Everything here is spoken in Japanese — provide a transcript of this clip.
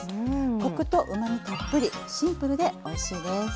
コクとうまみたっぷりシンプルでおいしいです。